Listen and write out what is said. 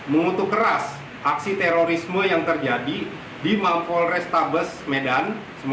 mengutuk keras aksi terorisme yang terjadi di mampol restabes medan